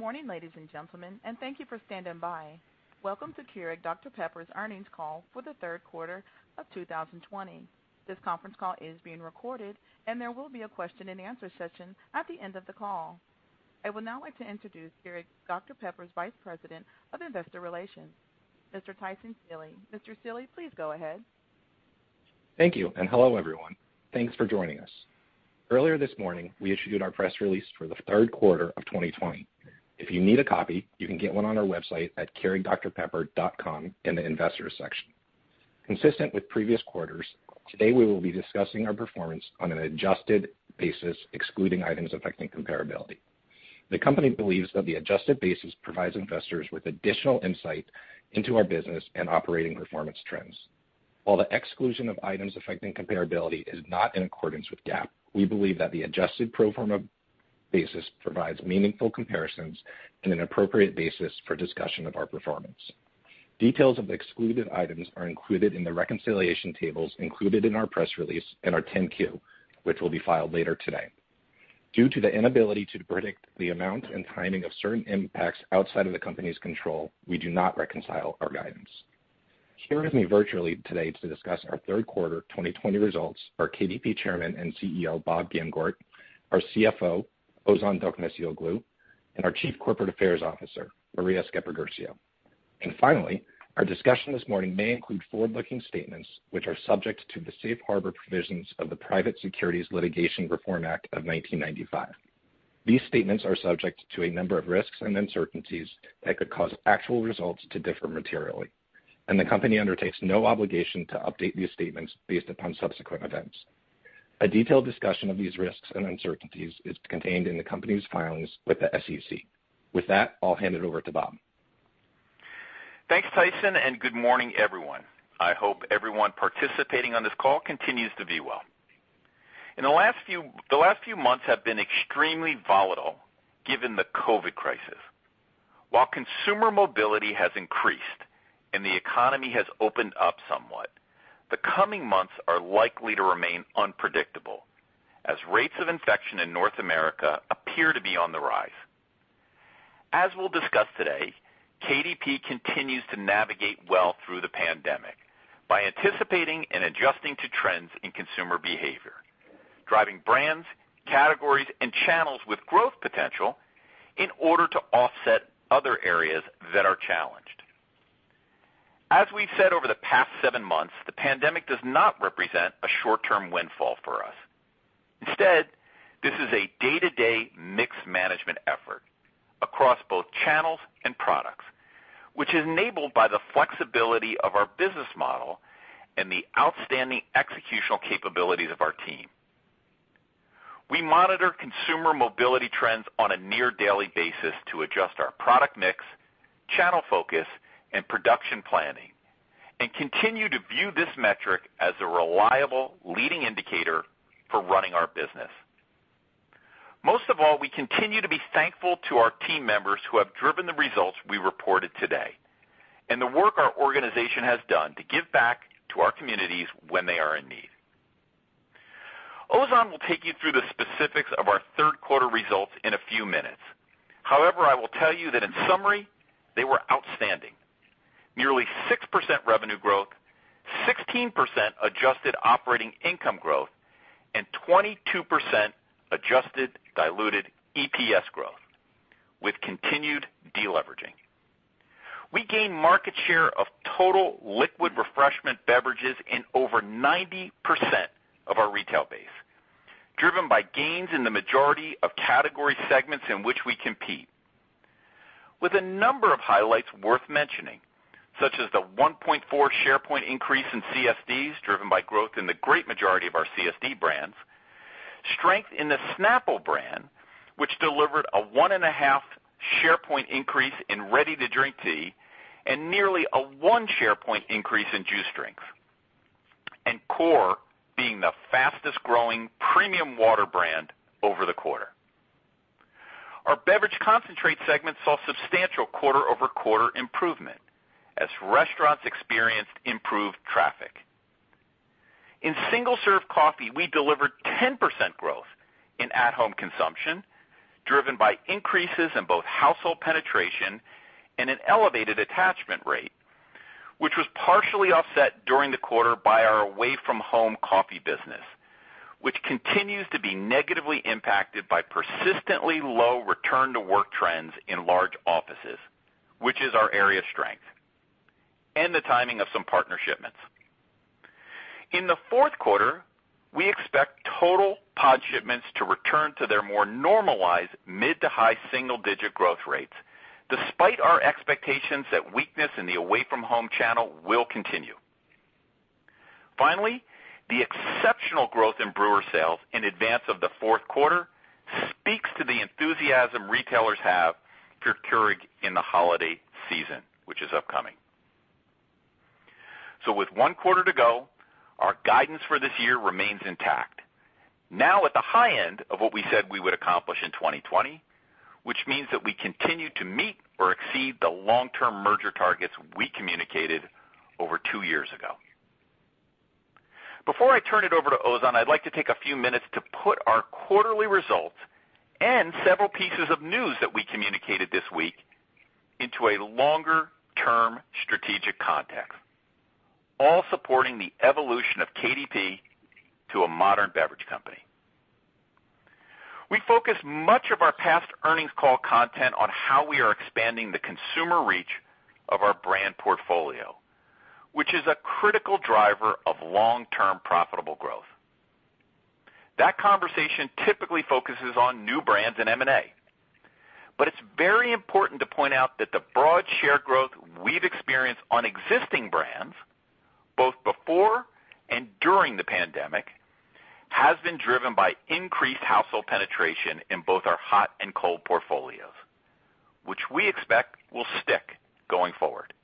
Good morning, ladies and gentlemen, and thank you for standing by. Welcome to Keurig Dr Pepper's earnings call for the third quarter of 2020. This conference call is being recorded. There will be a question-and-answer session at the end of the call. I would now like to introduce Keurig Dr Pepper's Vice President of Investor Relations, Mr. Tyson Seely. Mr. Seely, please go ahead. Thank you, hello everyone. Thanks for joining us. Earlier this morning, we issued our press release for the third quarter of 2020. If you need a copy, you can get one on our website at keurigdrpepper.com in the investors section. Consistent with previous quarters, today we will be discussing our performance on an adjusted basis excluding items affecting comparability. The company believes that the adjusted basis provides investors with additional insight into our business and operating performance trends. While the exclusion of items affecting comparability is not in accordance with GAAP, we believe that the adjusted pro forma basis provides meaningful comparisons and an appropriate basis for discussion of our performance. Details of the excluded items are included in the reconciliation tables included in our press release and our 10-Q, which will be filed later today. Due to the inability to predict the amount and timing of certain impacts outside of the company's control, we do not reconcile our guidance. Here with me virtually today to discuss our third quarter 2020 results are KDP Chairman and CEO, Bob Gamgort, our CFO, Ozan Dokmecioglu, and our Chief Corporate Affairs Officer, Maria Sceppaguercio. Finally, our discussion this morning may include forward-looking statements which are subject to the Safe Harbor provisions of the Private Securities Litigation Reform Act of 1995. These statements are subject to a number of risks and uncertainties that could cause actual results to differ materially. The company undertakes no obligation to update these statements based upon subsequent events. A detailed discussion of these risks and uncertainties is contained in the company's filings with the SEC. With that, I'll hand it over to Bob. Thanks, Tyson, and good morning, everyone. I hope everyone participating on this call continues to be well. The last few months have been extremely volatile given the COVID crisis. While consumer mobility has increased and the economy has opened up somewhat, the coming months are likely to remain unpredictable as rates of infection in North America appear to be on the rise. As we'll discuss today, KDP continues to navigate well through the pandemic by anticipating and adjusting to trends in consumer behavior, driving brands, categories, and channels with growth potential in order to offset other areas that are challenged. As we've said over the past seven months, the pandemic does not represent a short-term windfall for us. Instead, this is a day-to-day mix management effort across both channels and products, which is enabled by the flexibility of our business model and the outstanding executional capabilities of our team. We monitor consumer mobility trends on a near-daily basis to adjust our product mix, channel focus, and production planning, and continue to view this metric as a reliable leading indicator for running our business. Most of all, we continue to be thankful to our team members who have driven the results we reported today, and the work our organization has done to give back to our communities when they are in need. Ozan will take you through the specifics of our third quarter results in a few minutes. I will tell you that in summary, they were outstanding. Nearly 6% revenue growth, 16% adjusted operating income growth, and 22% adjusted diluted EPS growth with continued de-leveraging. We gained market share of total liquid refreshment beverages in over 90% of our retail base, driven by gains in the majority of category segments in which we compete. With a number of highlights worth mentioning, such as the 1.4 share point increase in CSDs, driven by growth in the great majority of our CSD brands, strength in the Snapple brand, which delivered a 1.5 share point increase in ready-to-drink tea and nearly a one share point increase in juice drinks, and CORE being the fastest-growing premium water brand over the quarter. Our beverage concentrate segment saw substantial quarter-over-quarter improvement as restaurants experienced improved traffic. In single-serve coffee, we delivered 10% growth in at-home consumption, driven by increases in both household penetration and an elevated attachment rate, which was partially offset during the quarter by our Away-From-Home coffee business, which continues to be negatively impacted by persistently low return to work trends in large offices, which is our area of strength, and the timing of some partner shipments. In the fourth quarter, we expect total pod shipments to return to their more normalized mid to high single-digit growth rates, despite our expectations that weakness in the away-from-home channel will continue. The exceptional growth in brewer sales in advance of the fourth quarter speaks to the enthusiasm retailers have for Keurig in the holiday season, which is upcoming. With one quarter to go, our guidance for this year remains intact. Now at the high end of what we said we would accomplish in 2020, which means that we continue to meet or exceed the long-term merger targets we communicated over two years ago. Before I turn it over to Ozan, I'd like to take a few minutes to put our quarterly results and several pieces of news that we communicated this week into a longer-term strategic context, all supporting the evolution of KDP to a modern beverage company. We focused much of our past earnings call content on how we are expanding the consumer reach of our brand portfolio, which is a critical driver of long-term profitable growth. That conversation typically focuses on new brands and M&A, but it's very important to point out that the broad share growth we've experienced on existing brands, both before and during the pandemic, has been driven by increased household penetration in both our hot and cold portfolios, which we expect will stick going forward.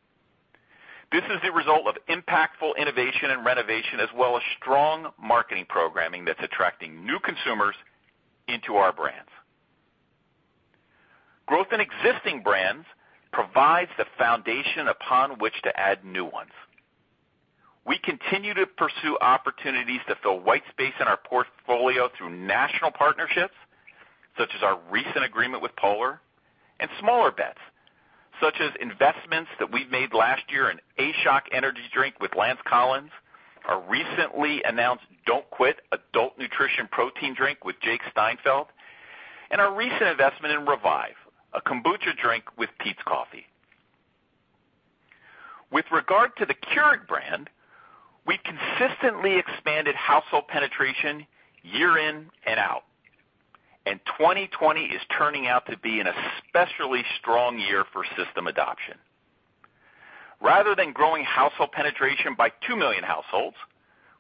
This is a result of impactful innovation and renovation, as well as strong marketing programming that's attracting new consumers into our brands. Growth in existing brands provides the foundation upon which to add new ones. We continue to pursue opportunities to fill white space in our portfolio through national partnerships, such as our recent agreement with Polar, and smaller bets, such as investments that we made last year in A SHOC energy drink with Lance Collins, our recently announced Don't Quit! adult nutrition protein drink with Jake Steinfeld, and our recent investment in Revive, a Kombucha with Peet's Coffee. With regard to the Keurig brand, we consistently expanded household penetration year in and out, and 2020 is turning out to be an especially strong year for system adoption. Rather than growing household penetration by 2 million households,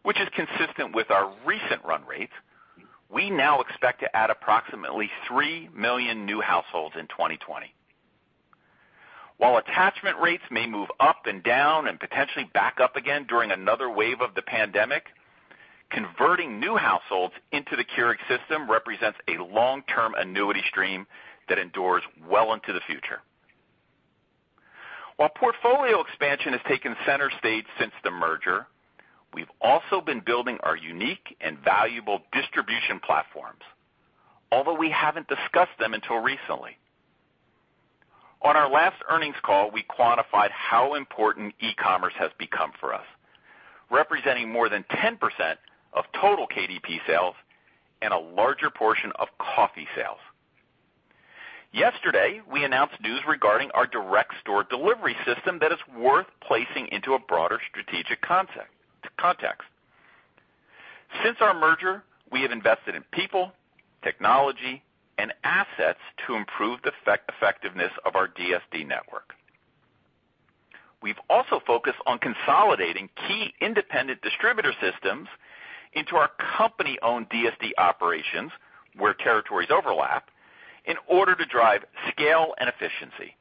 which is consistent with our recent run rates, we now expect to add approximately 3 million new households in 2020. While attachment rates may move up and down and potentially back up again during another wave of the COVID-19 pandemic, converting new households into the Keurig system represents a long-term annuity stream that endures well into the future. While portfolio expansion has taken center stage since the merger, we've also been building our unique and valuable distribution platforms, although we haven't discussed them until recently. On our last earnings call, we quantified how important e-commerce has become for us, representing more than 10% of total KDP sales and a larger portion of coffee sales. Yesterday, we announced news regarding our direct store delivery system that is worth placing into a broader strategic context. Since our merger, we have invested in people, technology, and assets to improve the effectiveness of our DSD network. We've also focused on consolidating key independent distributor systems into our company-owned DSD operations where territories overlap in order to drive scale and efficiency.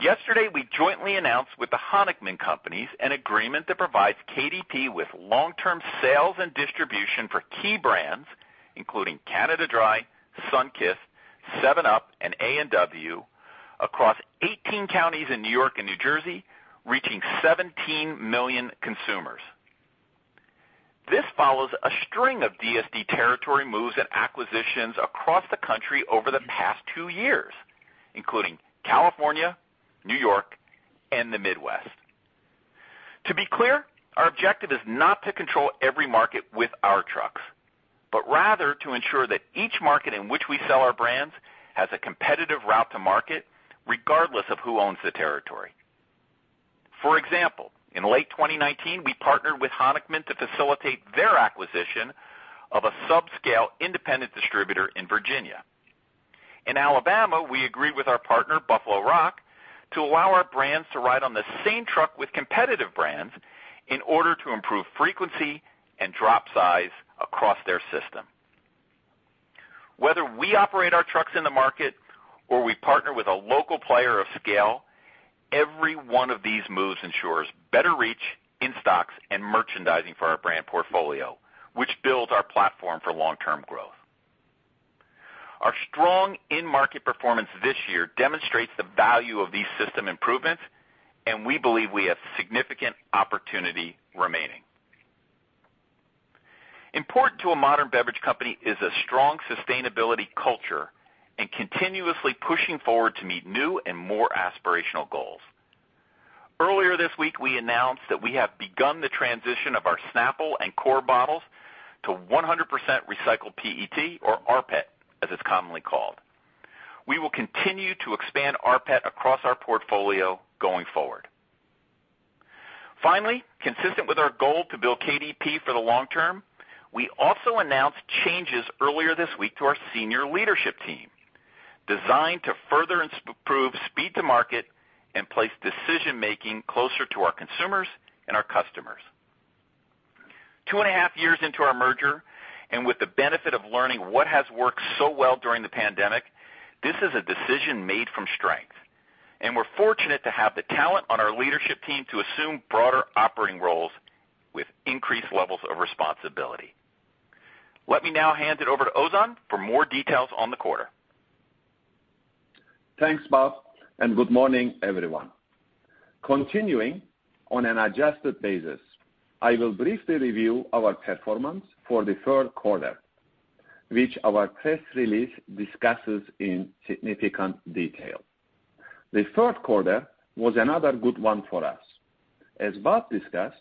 Yesterday, we jointly announced with The Honickman Companies an agreement that provides KDP with long-term sales and distribution for key brands, including Canada Dry, Sunkist, 7UP, and A&W across 18 counties in New York and New Jersey, reaching 17 million consumers. This follows a string of DSD territory moves and acquisitions across the country over the past two years, including California, New York, and the Midwest. To be clear, our objective is not to control every market with our trucks, but rather to ensure that each market in which we sell our brands has a competitive route to market, regardless of who owns the territory. For example, in late 2019, we partnered with Honickman to facilitate their acquisition of a sub-scale independent distributor in Virginia. In Alabama, we agreed with our partner, Buffalo Rock, to allow our brands to ride on the same truck with competitive brands in order to improve frequency and drop size across their system. Whether we operate our trucks in the market or we partner with a local player of scale, every one of these moves ensures better reach, in-stocks, and merchandising for our brand portfolio, which builds our platform for long-term growth. Our strong in-market performance this year demonstrates the value of these system improvements, and we believe we have significant opportunity remaining. Important to a modern beverage company is a strong sustainability culture and continuously pushing forward to meet new and more aspirational goals. Earlier this week, we announced that we have begun the transition of our Snapple and CORE bottles to 100% recycled PET, or rPET, as it's commonly called. We will continue to expand rPET across our portfolio going forward. Consistent with our goal to build KDP for the long term, we also announced changes earlier this week to our senior leadership team, designed to further improve speed to market and place decision-making closer to our consumers and our customers. Two and a half years into our merger, and with the benefit of learning what has worked so well during the pandemic, this is a decision made from strength, and we're fortunate to have the talent on our leadership team to assume broader operating roles with increased levels of responsibility. Let me now hand it over to Ozan for more details on the quarter Thanks, Bob, and good morning, everyone. Continuing on an adjusted basis, I will briefly review our performance for the third quarter, which our press release discusses in significant detail. The third quarter was another good one for us. As Bob discussed,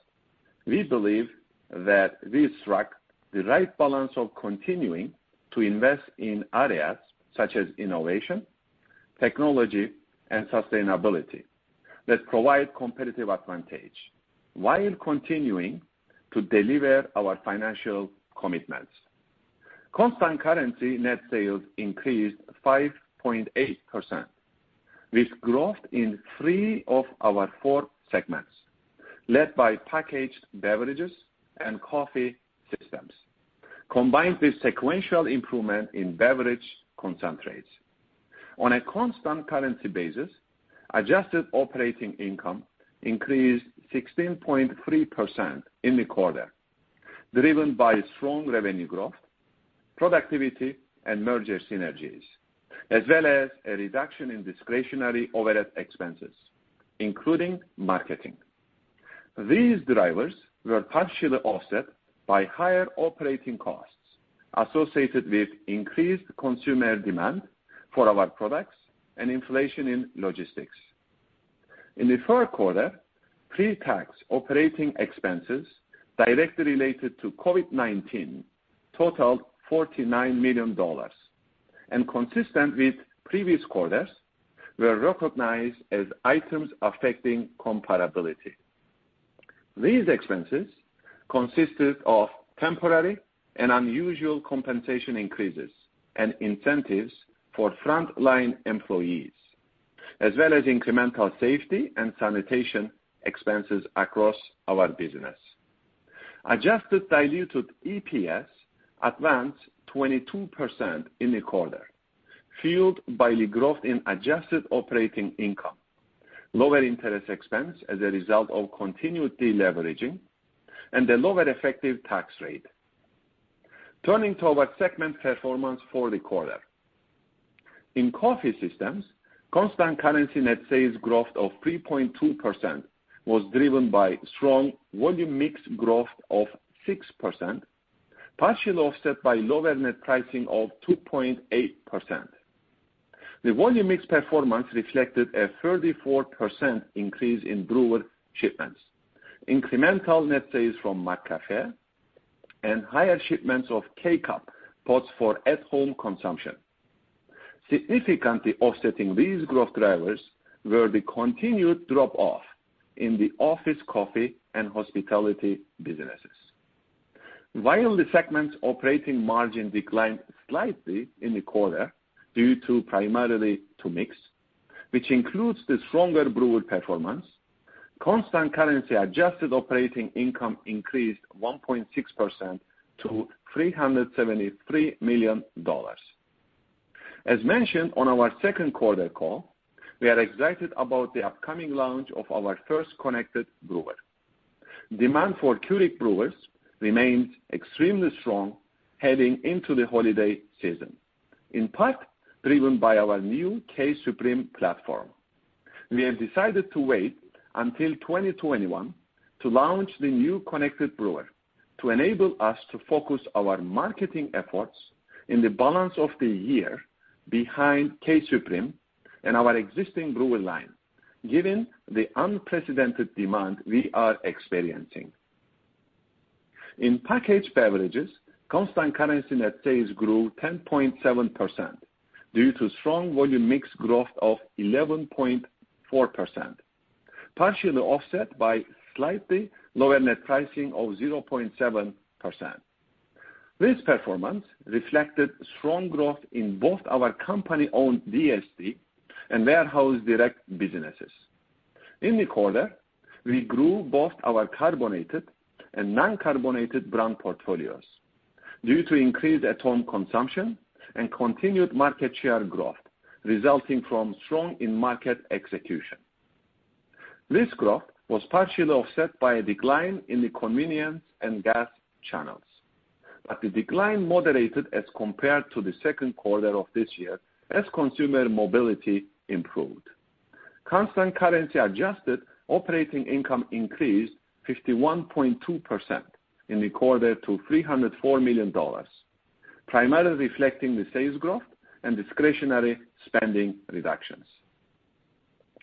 we believe that we struck the right balance of continuing to invest in areas such as innovation, technology, and sustainability that provide competitive advantage while continuing to deliver our financial commitments. Constant currency net sales increased 5.8%, with growth in three of our four segments, led by packaged beverages and coffee systems, combined with sequential improvement in beverage concentrates. On a constant currency basis, adjusted operating income increased 16.3% in the quarter, driven by strong revenue growth, productivity and merger synergies, as well as a reduction in discretionary overhead expenses, including marketing. These drivers were partially offset by higher operating costs associated with increased consumer demand for our products and inflation in logistics. In the third quarter, pre-tax operating expenses directly related to COVID-19 totaled $49 million, and consistent with previous quarters, were recognized as items affecting comparability. These expenses consisted of temporary and unusual compensation increases and incentives for frontline employees, as well as incremental safety and sanitation expenses across our business. Adjusted diluted EPS advanced 22% in the quarter, fueled by the growth in adjusted operating income, lower interest expense as a result of continued deleveraging, and a lower effective tax rate. Turning to our segment performance for the quarter. In coffee systems, constant currency net sales growth of 3.2% was driven by strong volume mix growth of 6%, partially offset by lower net pricing of 2.8%. The volume mix performance reflected a 34% increase in brewer shipments, incremental net sales from McCafé, and higher shipments of K-Cup pods for at-home consumption. Significantly offsetting these growth drivers were the continued drop off in the office coffee and hospitality businesses. While the segment's operating margin declined slightly in the quarter due to primarily to mix, which includes the stronger brewer performance, constant currency adjusted operating income increased 1.6% to $373 million. As mentioned on our second quarter call, we are excited about the upcoming launch of our first connected brewer. Demand for Keurig brewers remains extremely strong heading into the holiday season, in part driven by our new K-Supreme platform. We have decided to wait until 2021 to launch the new connected brewer to enable us to focus our marketing efforts in the balance of the year behind K-Supreme and our existing brewer line, given the unprecedented demand we are experiencing. In packaged beverages, constant currency net sales grew 10.7% due to strong volume mix growth of 11.4%, partially offset by slightly lower net pricing of 0.7%. This performance reflected strong growth in both our company-owned DSD and warehouse direct businesses. In the quarter, we grew both our carbonated and non-carbonated brand portfolios due to increased at-home consumption and continued market share growth resulting from strong in-market execution. This growth was partially offset by the decline in convenience and product channel. The decline moderated as compared to the second quarter of this year as consumer mobility improved. Constant currency adjusted operating income increased 51.2% in the quarter to $304 million, primarily reflecting the sales growth and discretionary spending reductions.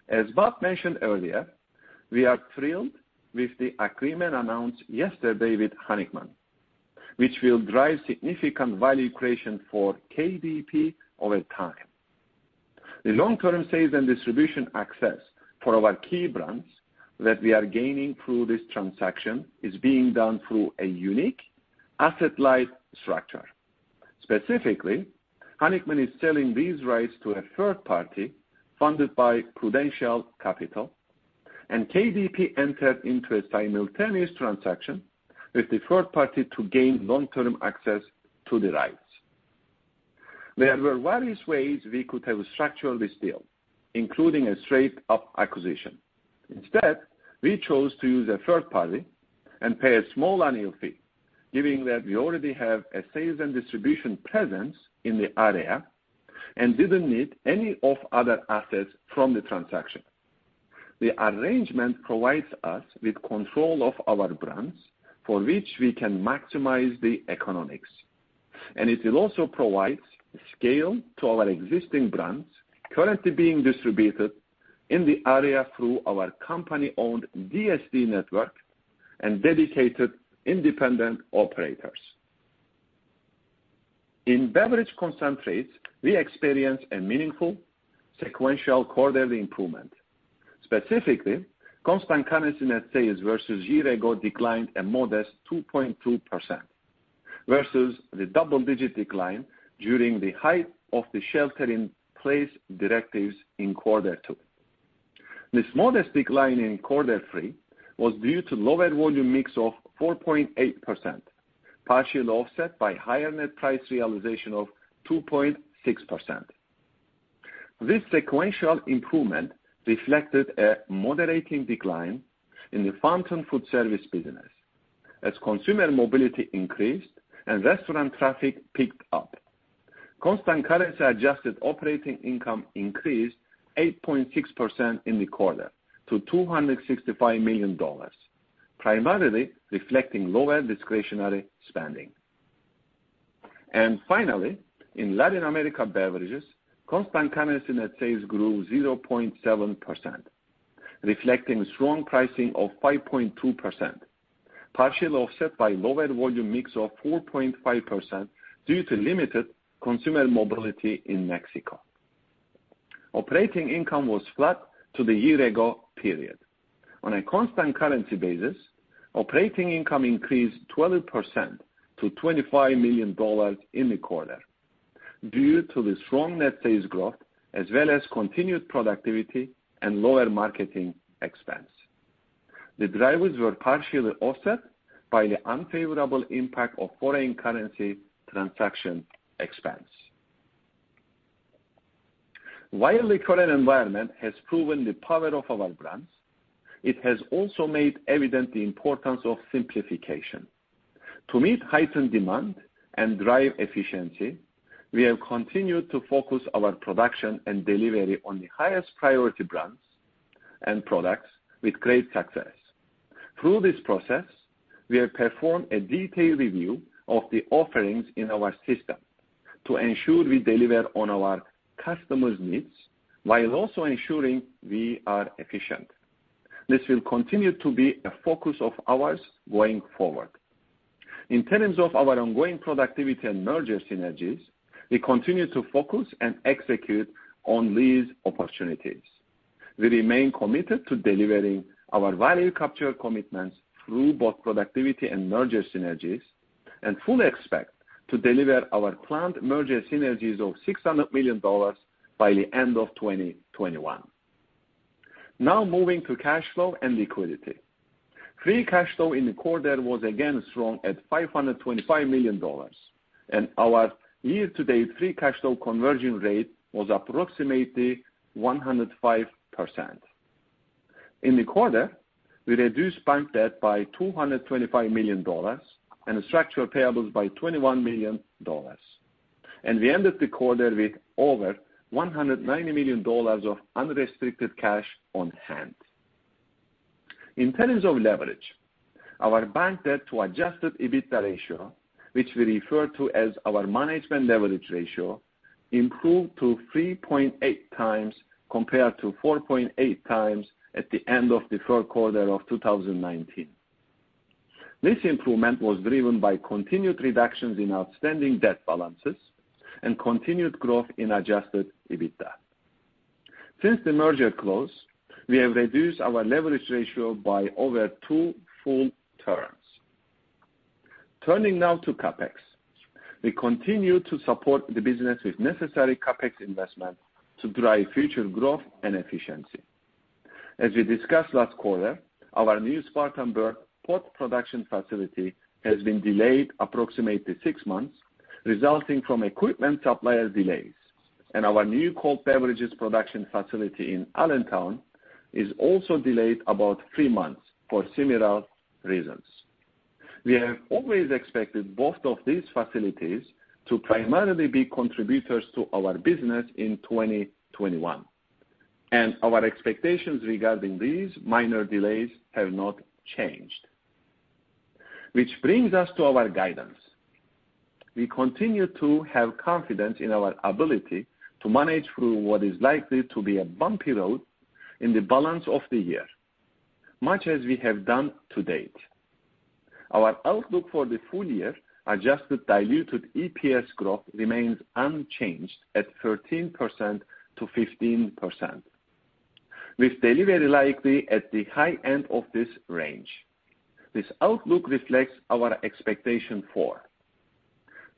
As Bob mentioned earlier, we are thrilled with the agreement announced yesterday with Honickman, which will drive significant value creation for KDP over time. The long-term sales and distribution access for our key brands that we are gaining through this transaction is being done through a unique asset-light structure. Specifically, Honickman is selling these rights to a third party funded by Prudential Capital, and KDP entered into a simultaneous transaction with the third party to gain long-term access to the rights. There were various ways we could have structured this deal, including a straight-up acquisition. Instead, we chose to use a third party and pay a small annual fee. Given that we already have a sales and distribution presence in the area and didn't need any of other assets from the transaction. The arrangement provides us with control of our brands for which we can maximize the economics, and it will also provide scale to our existing brands currently being distributed in the area through our company-owned DSD network and dedicated independent operators. In beverage concentrates, we experienced a meaningful sequential quarterly improvement. Specifically, constant currency net sales versus year ago declined a modest 2.2% versus the double-digit decline during the height of the shelter in place directives in quarter two. This modest decline in quarter three was due to lower volume mix of 4.8%, partially offset by higher net price realization of 2.6%. This sequential improvement reflected a moderating decline in the fountain foodservice business as consumer mobility increased and restaurant traffic picked up. Constant currency adjusted operating income increased 8.6% in the quarter to $265 million, primarily reflecting lower discretionary spending. Finally, in Latin America Beverages, constant currency net sales grew 0.7%, reflecting strong pricing of 5.2%, partially offset by lower volume mix of 4.5% due to limited consumer mobility in Mexico. Operating income was flat to the year ago period. On a constant currency basis, operating income increased 12% to $25 million in the quarter due to the strong net sales growth as well as continued productivity and lower marketing expense. The drivers were partially offset by the unfavorable impact of foreign currency transaction expense. While the current environment has proven the power of our brands, it has also made evident the importance of simplification. To meet heightened demand and drive efficiency, we have continued to focus our production and delivery on the highest priority brands and products with great success. Through this process, we have performed a detailed review of the offerings in our system to ensure we deliver on our customers' needs while also ensuring we are efficient. This will continue to be a focus of ours going forward. In terms of our ongoing productivity and merger synergies, we continue to focus and execute on these opportunities. We remain committed to delivering our value capture commitments through both productivity and merger synergies, and fully expect to deliver our planned merger synergies of $600 million by the end of 2021. Now, moving to cash flow and liquidity. Free cash flow in the quarter was again strong at $525 million, and our year-to-date free cash flow conversion rate was approximately 105%. In the quarter, we reduced bank debt by $225 million and structural payables by $21 million. We ended the quarter with over $190 million of unrestricted cash on hand. In terms of leverage, our bank debt to adjusted EBITDA ratio, which we refer to as our management leverage ratio, improved to 3.8x compared to 4.8x at the end of the third quarter of 2019. This improvement was driven by continued reductions in outstanding debt balances and continued growth in adjusted EBITDA. Since the merger close, we have reduced our leverage ratio by over two full turns. Turning now to CapEx. We continue to support the business with necessary CapEx investment to drive future growth and efficiency. As we discussed last quarter, our new Spartanburg pod production facility has been delayed approximately six months, resulting from equipment supplier delays. Our new cold beverages production facility in Allentown is also delayed about three months for similar reasons. We have always expected both of these facilities to primarily be contributors to our business in 2021. Our expectations regarding these minor delays have not changed. Which brings us to our guidance. We continue to have confidence in our ability to manage through what is likely to be a bumpy road in the balance of the year, much as we have done to date. Our outlook for the full-year adjusted diluted EPS growth remains unchanged at 13%-15%, with delivery likely at the high end of this range. This outlook reflects our expectation for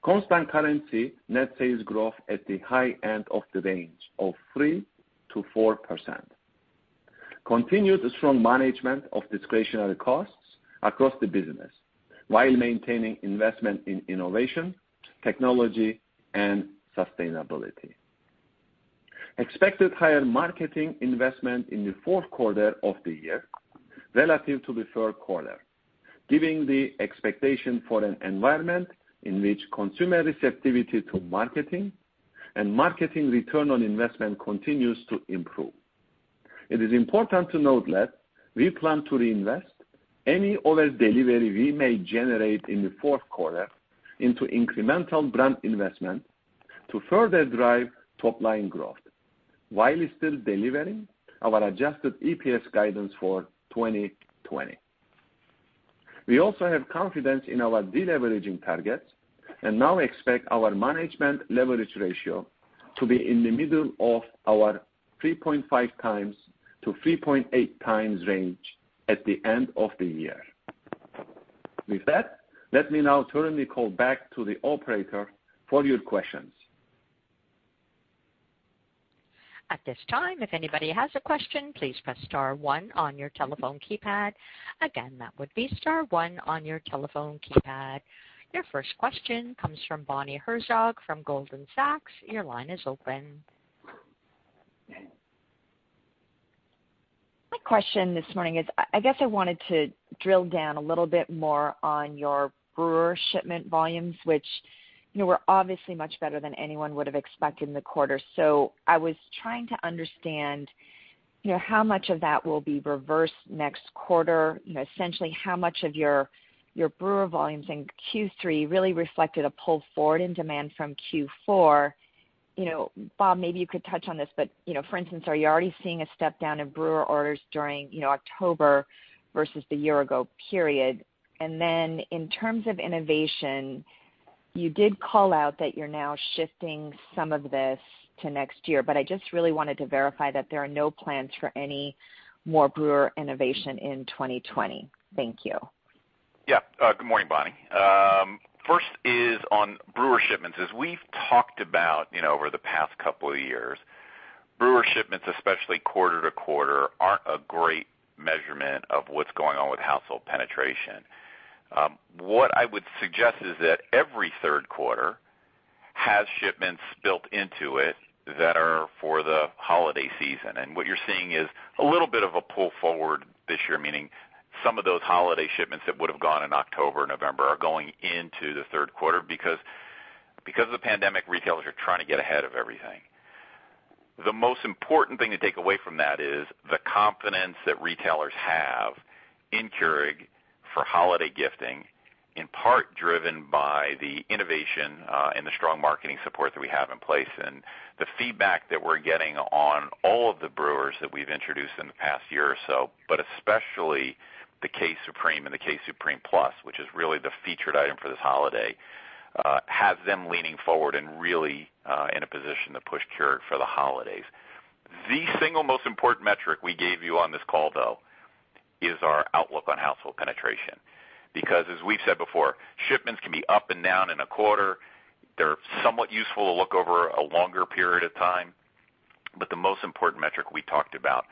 constant currency net sales growth at the high end of the range of 3%-4%. Continued strong management of discretionary costs across the business while maintaining investment in innovation, technology, and sustainability. Expected higher marketing investment in the fourth quarter of the year relative to the third quarter, giving the expectation for an environment in which consumer receptivity to marketing and marketing return on investment continues to improve. It is important to note that we plan to reinvest any over-delivery we may generate in the fourth quarter into incremental brand investment to further drive top-line growth while still delivering our adjusted EPS guidance for 2020. We also have confidence in our deleveraging targets and now expect our management leverage ratio to be in the middle of our 3.5x-3.8x range at the end of the year. Let me now turn the call back to the operator for your questions. At this time if anybody has a question, please press star one on your telephone keypad. Again, that would be star one on your telephone keypad. Your first question comes from Bonnie Herzog from Goldman Sachs. Your line is open. My question this morning is, I guess I wanted to drill down a little bit more on your brewer shipment volumes, which were obviously much better than anyone would have expected in the quarter. I was trying to understand, how much of that will be reversed next quarter, essentially how much of your brewer volumes in Q3 really reflected a pull forward in demand from Q4. Bob, maybe you could touch on this. For instance, are you already seeing a step down in brewer orders during October versus the year ago period? Then in terms of innovation, you did call out that you're now shifting some of this to next year. I just really wanted to verify that there are no plans for any more brewer innovation in 2020. Thank you. Yeah. Good morning, Bonnie. First is on brewer shipments. As we've talked about over the past couple of years, brewer shipments, especially quarter-to-quarter, aren't a great measurement of what's going on with household penetration. What I would suggest is that every third quarter has shipments built into it that are for the holiday season. What you're seeing is a little bit of a pull forward this year, meaning some of those holiday shipments that would have gone in October, November are going into the third quarter because of the pandemic, retailers are trying to get ahead of everything. The most important thing to take away from that is the confidence that retailers have in Keurig for holiday gifting, in part driven by the innovation and the strong marketing support that we have in place. The feedback that we're getting on all of the brewers that we've introduced in the past year or so, but especially the K-Supreme and the K-Supreme Plus, which is really the featured item for this holiday, has them leaning forward and really in a position to push Keurig for the holidays. The single most important metric we gave you on this call, though, is our outlook on household penetration, because as we've said before, shipments can be up and down in a quarter. They're somewhat useful to look over a longer period of time. The most important metric we talked about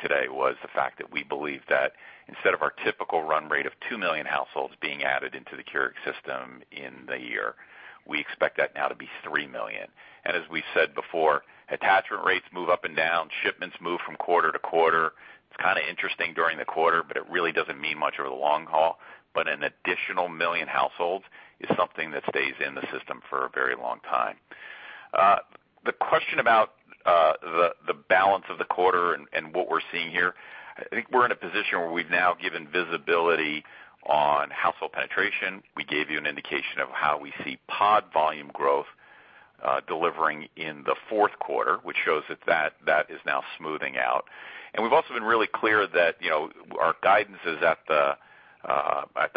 today was the fact that we believe that instead of our typical run rate of 2 million households being added into the Keurig system in the year, we expect that now to be 3 million. As we said before, attachment rates move up and down, shipments move from quarter to quarter. It's kind of interesting during the quarter, but it really doesn't mean much over the long haul. An additional million households is something that stays in the system for a very long time. The question about the balance of the quarter and what we're seeing here, I think we're in a position where we've now given visibility on household penetration. We gave you an indication of how we see pod volume growth delivering in the fourth quarter, which shows that is now smoothing out. We've also been really clear that our guidance is at the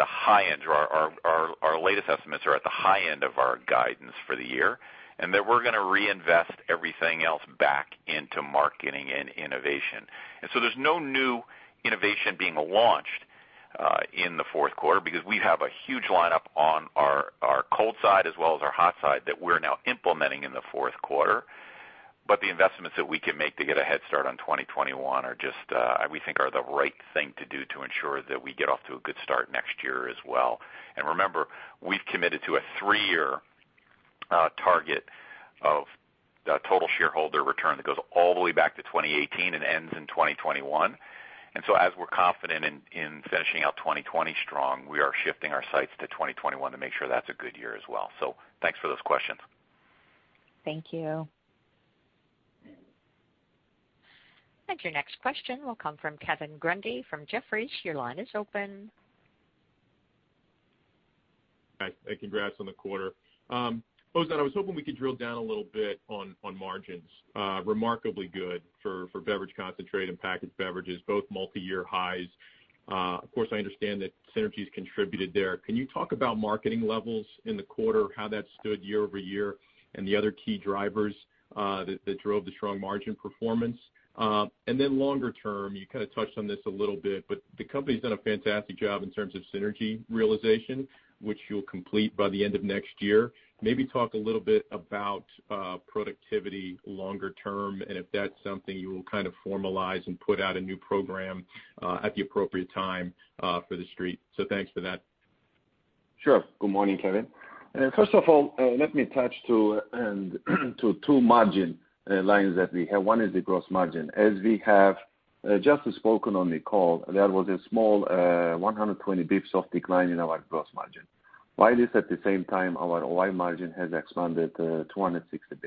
high end, or our latest estimates are at the high end of our guidance for the year, and that we're going to reinvest everything else back into marketing and innovation. There's no new innovation being launched in the fourth quarter because we have a huge lineup on our cold side as well as our hot side that we're now implementing in the fourth quarter. The investments that we can make to get a head start on 2021 we think are the right thing to do to ensure that we get off to a good start next year as well. Remember, we've committed to a three-year target of total shareholder return that goes all the way back to 2018 and ends in 2021. As we're confident in finishing out 2020 strong, we are shifting our sights to 2021 to make sure that's a good year as well. Thanks for those questions. Thank you. Your next question will come from Kevin Grundy from Jefferies. Your line is open. Hi, congrats on the quarter. Ozan, I was hoping we could drill down a little bit on margins. Remarkably good for beverage concentrate and packaged beverages, both multi-year highs. Of course, I understand that synergies contributed there. Can you talk about marketing levels in the quarter, how that stood year-over-year and the other key drivers that drove the strong margin performance? Longer-term, you kind of touched on this a little bit, but the company's done a fantastic job in terms of synergy realization, which you'll complete by the end of next year. Maybe talk a little bit about productivity longer-term, if that's something you will kind of formalize and put out a new program at the appropriate time for the street. Thanks for that. Sure. Good morning, Kevin. First of all, let me touch to two margin lines that we have. One is the gross margin. As we have just spoken on the call, there was a small 120 basis points of decline in our gross margin, while at the same time our OI margin has expanded 260 basis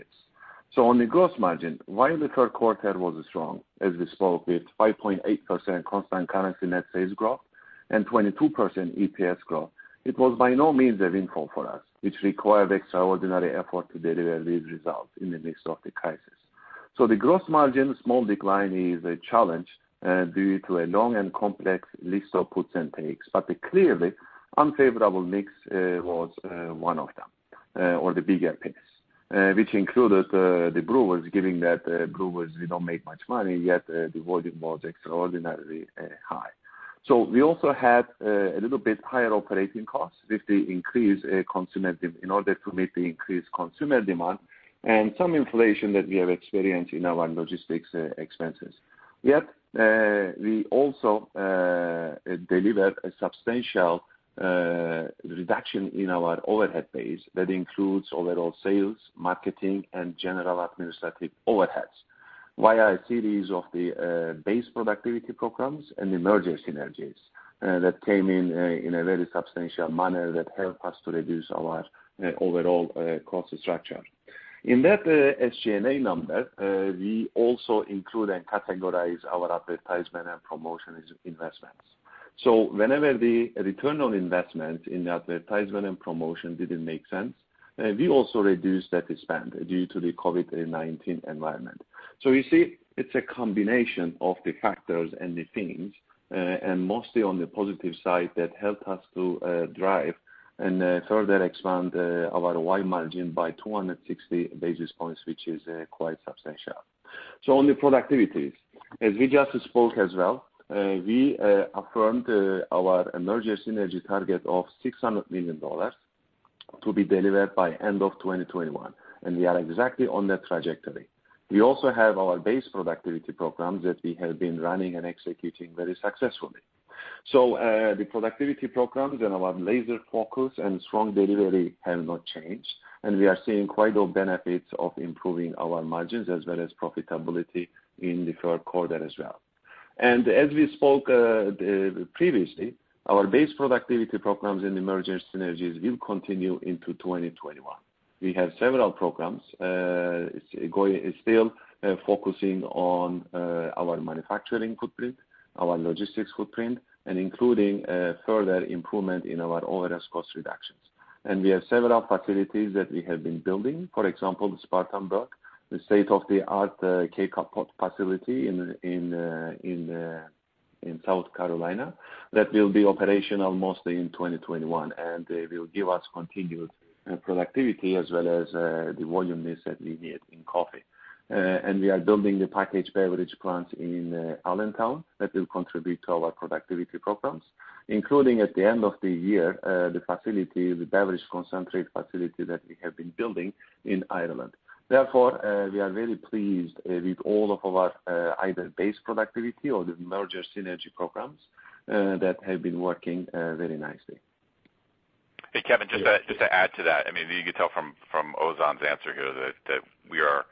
points. On the gross margin, while the third quarter was strong, as we spoke, with 5.8% constant currency net sales growth and 22% EPS growth, it was by no means a windfall for us, which required extraordinary effort to deliver these results in the midst of the crisis. The gross margin small decline is a challenge due to a long and complex list of puts and takes. Clearly unfavorable mix was one of them or the bigger piece, which included the brewers. Given that brewers did not make much money, yet the volume was extraordinarily high. We also had a little bit higher operating costs with the increase in order to meet the increased consumer demand and some inflation that we have experienced in our logistics expenses. We also delivered a substantial reduction in our overhead base that includes overall sales, marketing, and general administrative overheads via a series of the base productivity programs and merger synergies that came in a very substantial manner that help us to reduce our overall cost structure. In that SG&A number, we also include and categorize our advertisement and promotion investments. Whenever the return on investment in advertisement and promotion didn't make sense, we also reduced that spend due to the COVID-19 environment. You see, it's a combination of the factors and the themes, and mostly on the positive side that helped us to drive and further expand our OI margin by 260 basis points, which is quite substantial. On the productivities, as we just spoke as well, we affirmed our merger synergy target of $600 million to be delivered by end of 2021, and we are exactly on that trajectory. We also have our base productivity programs that we have been running and executing very successfully. The productivity programs and our laser focus and strong delivery have not changed, and we are seeing quite all benefits of improving our margins as well as profitability in the third quarter as well. As we spoke previously, our base productivity programs and merger synergies will continue into 2021. We have several programs still focusing on our manufacturing footprint, our logistics footprint, including further improvement in our overheads cost reductions. We have several facilities that we have been building. For example, the Spartanburg, the state-of-the-art K-Cup facility in South Carolina that will be operational mostly in 2021 and will give us continued productivity as well as the volume mix that we need in coffee. We are building the packaged beverage plant in Allentown that will contribute to our productivity programs, including at the end of the year, the beverage concentrate facility that we have been building in Ireland. We are very pleased with all of our either base productivity or the merger synergy programs that have been working very nicely. Hey, Kevin, just to add to that. You could tell from Ozan's answer here that we are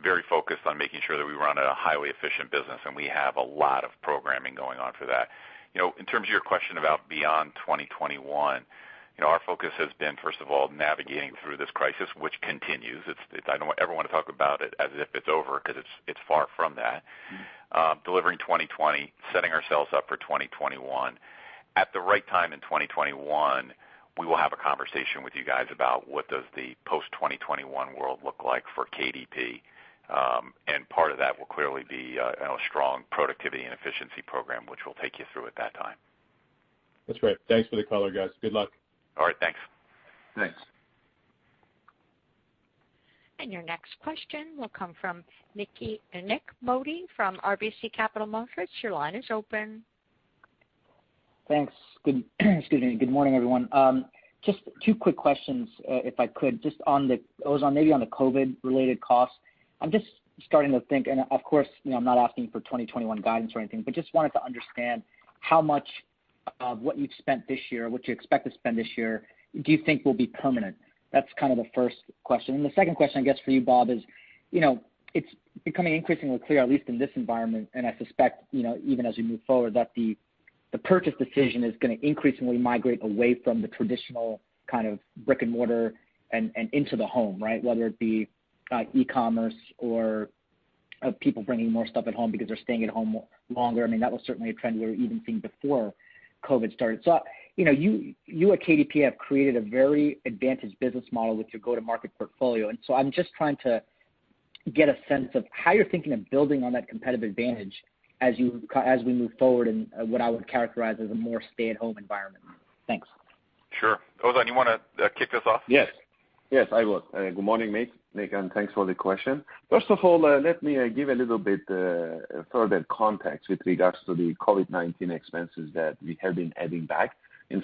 very focused on making sure that we run a highly efficient business, and we have a lot of programming going on for that. In terms of your question about beyond 2021, our focus has been, first of all, navigating through this crisis, which continues. I don't ever want to talk about it as if it's over because it's far from that. Delivering 2020, setting ourselves up for 2021. At the right time in 2021, we will have a conversation with you guys about what does the post-2021 world look like for KDP, and part of that will clearly be a strong productivity and efficiency program which we'll take you through at that time. That's great. Thanks for the color, guys. Good luck. All right. Thanks. Thanks. Your next question will come from Nik Modi from RBC Capital Markets. Your line is open. Thanks. Excuse me. Good morning, everyone. Just two quick questions if I could. Ozan, maybe on the COVID-19-related costs. Of course, I'm not asking for 2021 guidance or anything, just wanted to understand how much of what you've spent this year, what you expect to spend this year, do you think will be permanent? That's the first question. The second question, I guess for you, Bob, is it's becoming increasingly clear, at least in this environment, and I suspect even as we move forward, that the purchase decision is going to increasingly migrate away from the traditional kind of brick and mortar and into the home, right? Whether it be e-commerce or people bringing more stuff at home because they're staying at home longer. That was certainly a trend we were even seeing before COVID-19 started. You at KDP have created a very advantaged business model with your go-to-market portfolio, and so I'm just trying to get a sense of how you're thinking of building on that competitive advantage as we move forward in what I would characterize as a more stay-at-home environment. Thanks. Sure. Ozan, you want to kick us off? Yes. I will. Good morning, Nik, thanks for the question. First of all, let me give a little bit further context with regards to the COVID-19 expenses that we have been adding back. We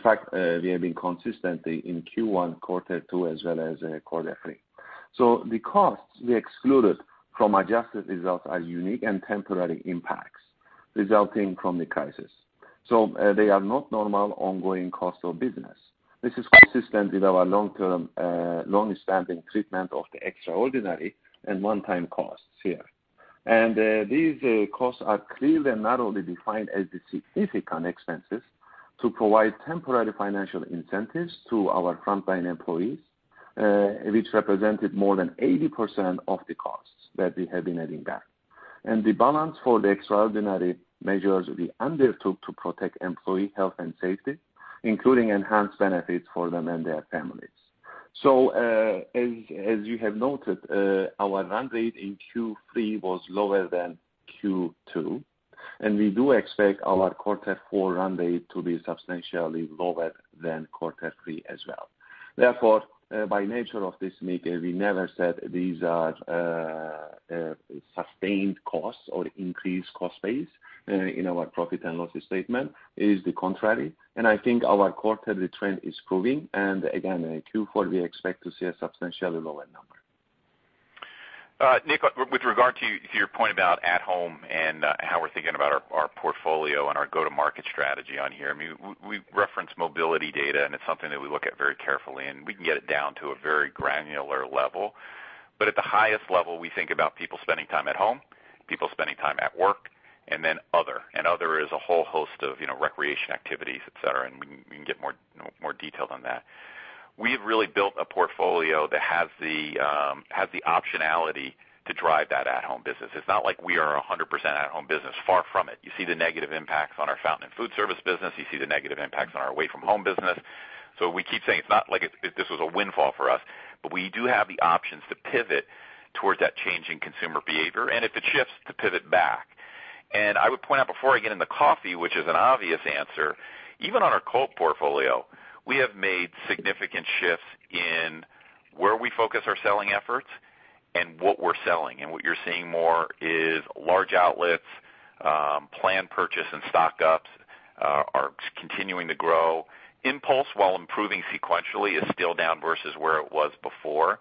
have been consistently in Q1, Q2, as well as Q3. The costs we excluded from adjusted results are unique and temporary impacts resulting from the crisis. They are not normal ongoing cost of business. This is consistent with our long-standing treatment of the extraordinary and one-time costs here. These costs are clearly and narrowly defined as the significant expenses to provide temporary financial incentives to our frontline employees, which represented more than 80% of the costs that we have been adding back. The balance for the extraordinary measures we undertook to protect employee health and safety, including enhanced benefits for them and their families. As you have noted, our run rate in Q3 was lower than Q2, and we do expect our quarter four run rate to be substantially lower than quarter three as well. By nature of this makeup, we never said these are sustained costs or increased cost base in our profit and loss statement. It is the contrary, and I think our quarterly trend is proving, and again, in Q4, we expect to see a substantially lower number. Nik, with regard to your point about at-home and how we're thinking about our portfolio and our go-to-market strategy on here, we reference mobility data, and it's something that we look at very carefully, and we can get it down to a very granular level. At the highest level, we think about people spending time at home, people spending time at work, and then other. Other is a whole host of recreation activities, et cetera, and we can get more detailed on that. We've really built a portfolio that has the optionality to drive that at-home business. It's not like we are 100% at-home business. Far from it. You see the negative impacts on our fountain and foodservice business. You see the negative impacts on our away-from-home business. We keep saying it's not like this was a windfall for us, but we do have the options to pivot towards that changing consumer behavior. If it shifts, to pivot back. I would point out before I get into coffee, which is an obvious answer, even on our cold portfolio, we have made significant shifts in where we focus our selling efforts and what we're selling. What you're seeing more is large outlets, planned purchase, and stock-ups are continuing to grow. Impulse, while improving sequentially, is still down versus where it was before.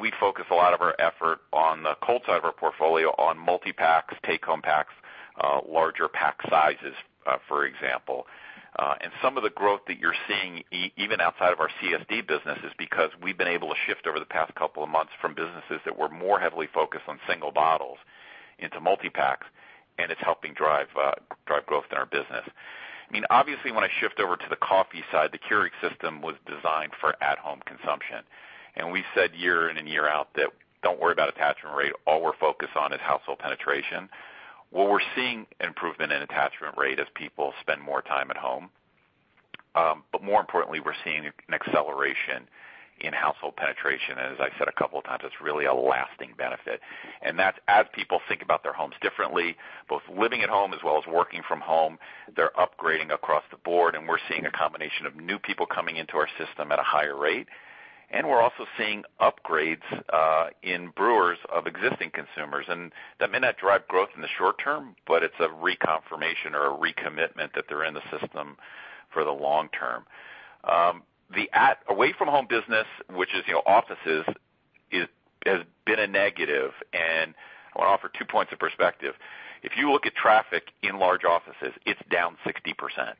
We focus a lot of our effort on the cold side of our portfolio on multi-packs, take-home packs, larger pack sizes, for example. Some of the growth that you're seeing even outside of our CSD business is because we've been able to shift over the past couple of months from businesses that were more heavily focused on single bottles into multi-packs, and it's helping drive growth in our business. Obviously, when I shift over to the coffee side, the Keurig system was designed for at-home consumption. We said year in and year out, that don't worry about attachment rate. All we're focused on is household penetration, where we're seeing improvement in attachment rate as people spend more time at home. More importantly, we're seeing an acceleration in household penetration. As I said a couple of times, it's really a lasting benefit. That's as people think about their homes differently, both living at home as well as working from home. They're upgrading across the board. We're seeing a combination of new people coming into our system at a higher rate. We're also seeing upgrades in brewers of existing consumers. That may not drive growth in the short-term, but it's a reconfirmation or a recommitment that they're in the system for the long-term. The away-from-home business, which is offices, has been a negative, and I want to offer two points of perspective. If you look at traffic in large offices, it's down 60%.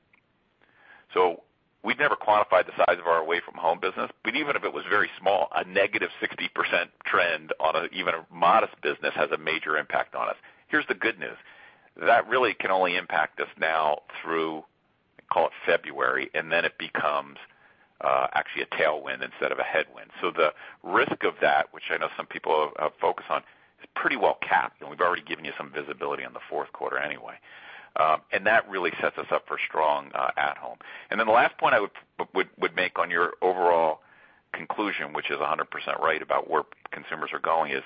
We've never quantified the size of our away-from-home business, but even if it was very small, a -60% trend on even a modest business has a major impact on us. Here's the good news. That really can only impact us now through, call it February, and then it becomes actually a tailwind instead of a headwind. The risk of that, which I know some people focus on, is pretty well capped, and we've already given you some visibility on the fourth quarter anyway. That really sets us up for strong at home. The last point I would make on your overall conclusion, which is 100% right about where consumers are going, is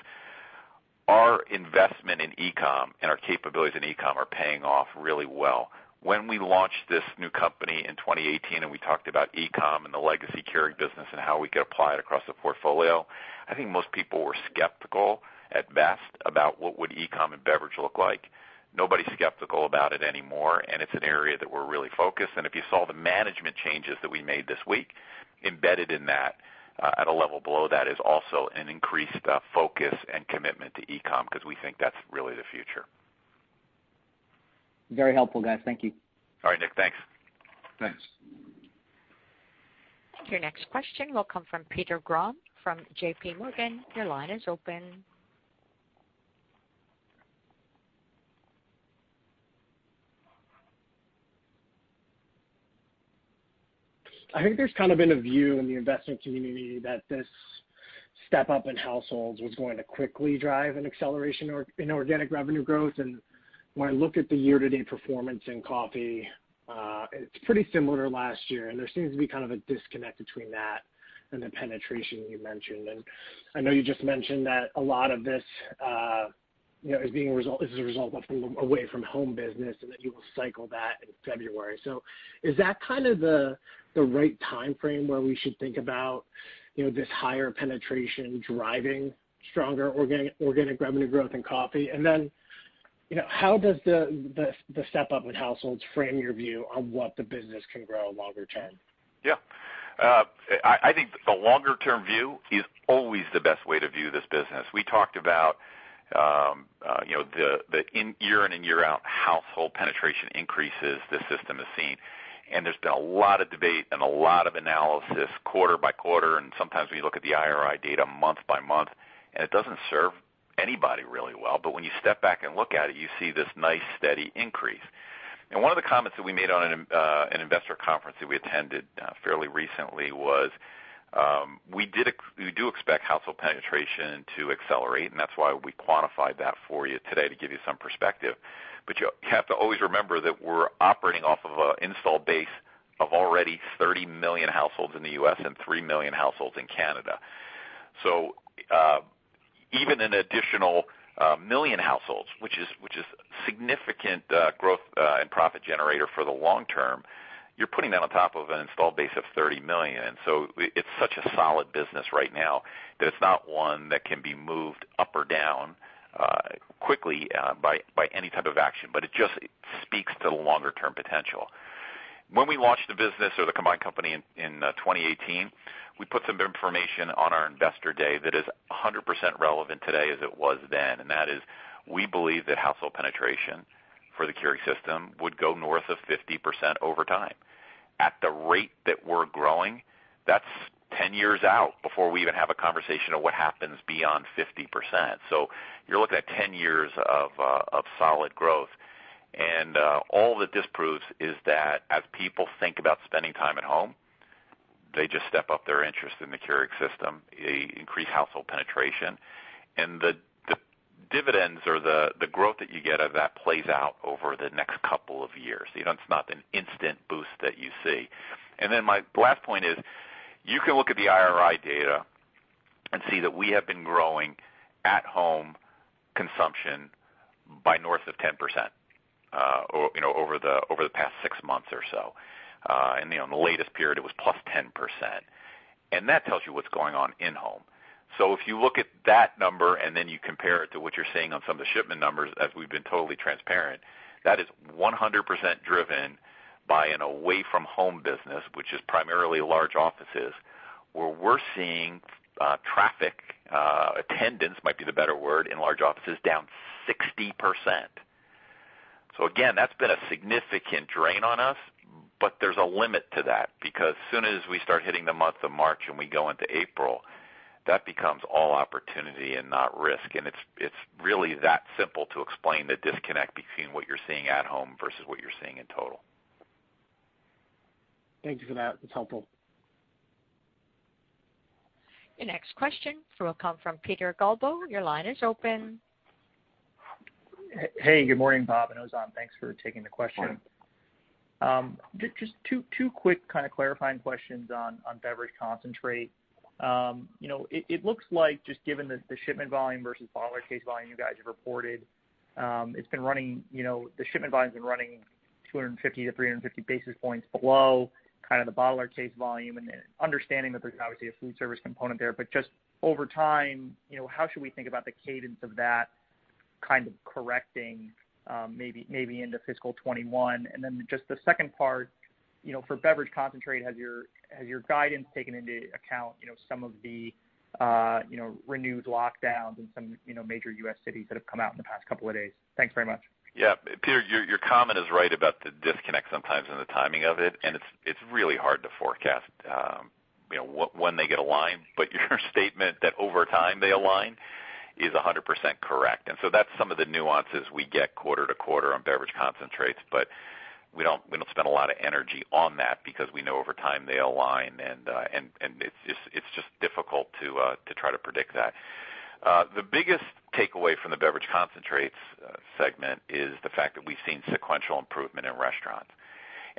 our investment in e-com and our capabilities in e-com are paying off really well. When we launched this new company in 2018 and we talked about e-com and the legacy Keurig business and how we could apply it across the portfolio, I think most people were skeptical at best about what would e-com and beverage look like. Nobody's skeptical about it anymore, and it's an area that we're really focused. If you saw the management changes that we made this week, embedded in that at a level below that is also an increased focus and commitment to e-com because we think that's really the future. Very helpful, guys. Thank you. All right, Nik. Thanks. Thanks. Your next question will come from Peter Grom from JPMorgan. Your line is open. I think there's kind of been a view in the investment community that this step up in households was going to quickly drive an acceleration in organic revenue growth. When I look at the year-to-date performance in coffee, it's pretty similar to last year, and there seems to be kind of a disconnect between that and the penetration you mentioned. I know you just mentioned that a lot of this is a result of the away-from-home business and that you will cycle that in February. Is that kind of the right timeframe where we should think about this higher penetration driving stronger organic revenue growth in coffee? How does the step up in households frame your view on what the business can grow longer-term? Yeah. I think the longer-term view is always the best way to view this business. We talked about the year in and year out household penetration increases the system has seen. There's been a lot of debate and a lot of analysis quarter-by-quarter. Sometimes we look at the IRI data month-by-month, and it doesn't serve anybody really well. When you step back and look at it, you see this nice steady increase. One of the comments that we made on an investor conference that we attended fairly recently was, we do expect household penetration to accelerate. That's why we quantified that for you today to give you some perspective. You have to always remember that we're operating off of an install base of already 30 million households in the U.S. and 3 million households in Canada. Even an additional 1 million households, which is significant growth and profit generator for the long-term, you're putting that on top of an installed base of 30 million. It's such a solid business right now that it's not one that can be moved up or down quickly by any type of action. It just speaks to the longer-term potential. When we launched the business or the combined company in 2018, we put some information on our investor day that is 100% relevant today as it was then, and that is, we believe that household penetration for the Keurig system would go north of 50% over time. At the rate that we're growing, that's 10 years out before we even have a conversation of what happens beyond 50%. You're looking at 10 years of solid growth, and all that this proves is that as people think about spending time at home, they just step up their interest in the Keurig system, increase household penetration, and the dividends or the growth that you get of that plays out over the next couple of years. It's not an instant boost that you see. My last point is, you can look at the IRI data and see that we have been growing at home consumption by north of 10% over the past six months or so. In the latest period, it was plus 10%. That tells you what's going on in home. If you look at that number and then you compare it to what you're seeing on some of the shipment numbers, as we've been totally transparent, that is 100% driven by an away-from-home business, which is primarily large offices, where we're seeing traffic, attendance might be the better word, in large offices down 60%. Again, that's been a significant drain on us, but there's a limit to that, because as soon as we start hitting the month of March and we go into April, that becomes all opportunity and not risk. It's really that simple to explain the disconnect between what you're seeing at home versus what you're seeing in total. Thank you for that. It's helpful. Your next question will come from Peter Galbo. Your line is open. Hey, good morning, Bob and Ozan. Thanks for taking the question. Sure. Just two quick kind of clarifying questions on beverage concentrate. It looks like just given the shipment volume versus bottler case volume you guys have reported, the shipment volume's been running 250-350 basis points below kind of the bottler case volume, and understanding that there's obviously a foodservice component there. Just over time, how should we think about the cadence of that kind of correcting maybe into fiscal 2021? Then just the second part, for beverage concentrate, has your guidance taken into account some of the renewed lockdowns in some major U.S. cities that have come out in the past couple of days? Thanks very much. Peter, your comment is right about the disconnect sometimes and the timing of it. It's really hard to forecast when they get aligned. Your statement that over time they align is 100% correct. That's some of the nuances we get quarter to quarter on beverage concentrates, but we don't spend a lot of energy on that because we know over time they align, and it's just difficult to try to predict that. The biggest takeaway from the beverage concentrates segment is the fact that we've seen sequential improvement in restaurants.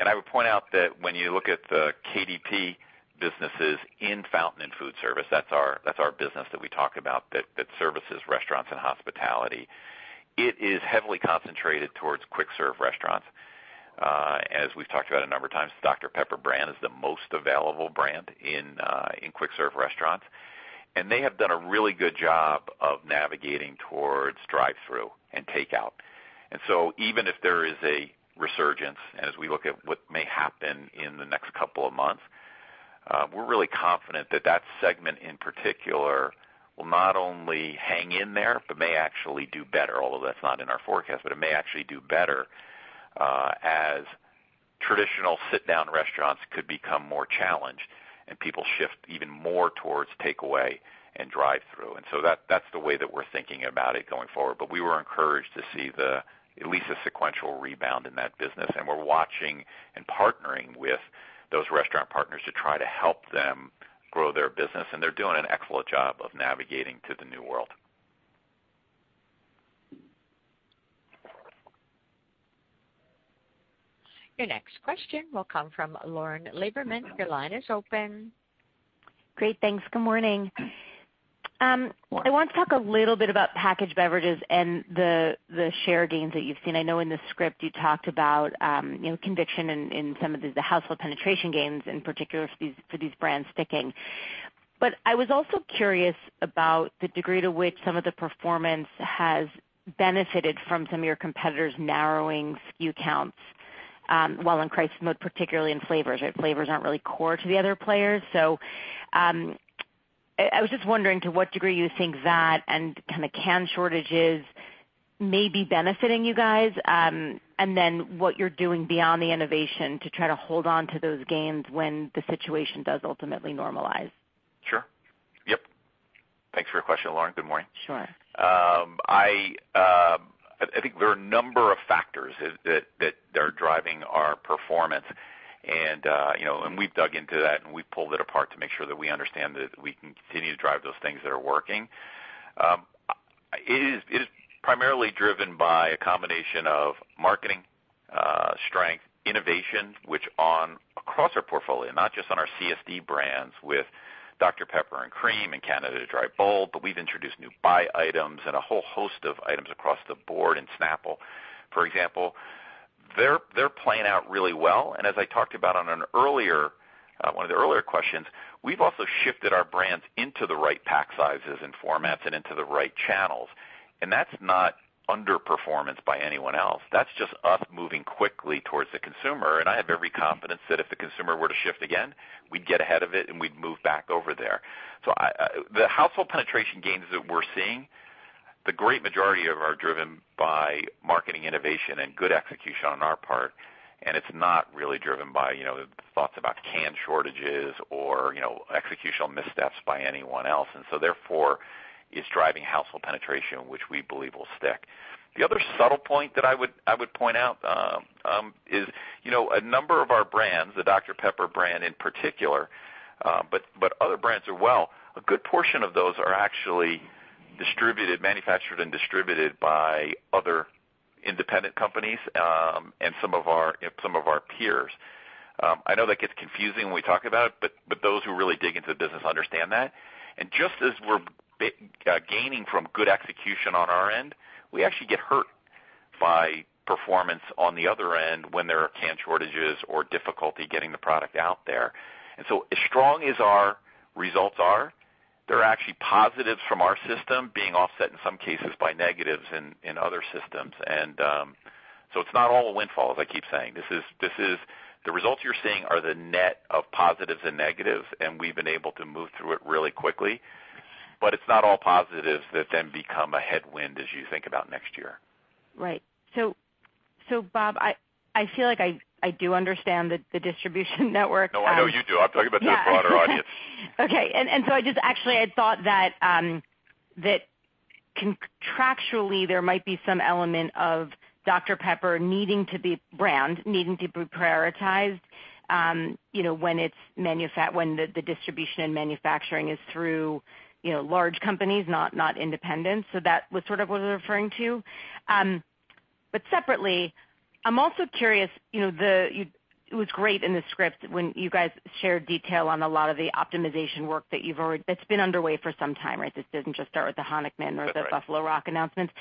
I would point out that when you look at the KDP businesses in fountain and foodservice, that's our business that we talk about that services restaurants and hospitality. It is heavily concentrated towards quick serve restaurants. As we've talked about a number of times, Dr Pepper brand is the most available brand in quick serve restaurants. They have done a really good job of navigating towards drive-through and takeout. Even if there is a resurgence, as we look at what may happen in the next couple of months, we're really confident that segment in particular will not only hang in there, but may actually do better, although that's not in our forecast. It may actually do better, as traditional sit-down restaurants could become more challenged and people shift even more towards takeaway and drive-through. That's the way that we're thinking about it going forward, but we were encouraged to see at least a sequential rebound in that business, and we're watching and partnering with those restaurant partners to try to help them grow their business, and they're doing an excellent job of navigating to the new world. Your next question will come from Lauren Lieberman. Your line is open. Great, thanks. Good morning. I want to talk a little bit about packaged beverages and the share gains that you've seen. I know in the script you talked about conviction in some of the household penetration gains, in particular for these brands sticking. I was also curious about the degree to which some of the performance has benefited from some of your competitors narrowing SKU counts, while in crisis mode, particularly in flavors, right? Flavors aren't really core to the other players. I was just wondering to what degree you think that and kind of can shortages may be benefiting you guys. What you're doing beyond the innovation to try to hold onto those gains when the situation does ultimately normalize. Sure. Yep. Thanks for your question, Lauren. Good morning. Sure. I think there are a number of factors that are driving our performance and we've dug into that, and we pulled it apart to make sure that we understand that we can continue to drive those things that are working. It is primarily driven by a combination of marketing, strength, innovation, which on across our portfolio, not just on our CSD brands with Dr Pepper and Cream in Canada Dry Bold, but we've introduced new Bai items and a whole host of items across the board in Snapple, for example. They're playing out really well, and as I talked about on one of the earlier questions, we've also shifted our brands into the right pack sizes and formats and into the right channels. That's not underperformance by anyone else. That's just us moving quickly towards the consumer. I have every confidence that if the consumer were to shift again, we'd get ahead of it, and we'd move back over there. The household penetration gains that we're seeing, the great majority of are driven by marketing innovation and good execution on our part, and it's not really driven by thoughts about can shortages or executional missteps by anyone else. Therefore it's driving household penetration, which we believe will stick. The other subtle point that I would point out is a number of our brands, the Dr Pepper brand in particular, but other brands are well, a good portion of those are actually manufactured and distributed by other independent companies, and some of our peers. I know that gets confusing when we talk about it, but those who really dig into the business understand that. Just as we're gaining from good execution on our end, we actually get hurt by performance on the other end when there are can shortages or difficulty getting the product out there. As strong as our results are, they're actually positives from our system being offset in some cases by negatives in other systems. It's not all a windfall, as I keep saying. The results you're seeing are the net of positives and negatives, and we've been able to move through it really quickly. It's not all positives that then become a headwind as you think about next year. Right. Bob, I feel like I do understand the distribution network. No, I know you do. I'm talking about the broader audience. Okay. I just actually, I thought that contractually there might be some element of Dr Pepper brand needing to be prioritized when the distribution and manufacturing is through large companies, not independents. That was sort of what I was referring to. Separately, I'm also curious, it was great in the script when you guys shared detail on a lot of the optimization work that's been underway for some time, right? This didn't just start with the Honickman or the Buffalo Rock announcements.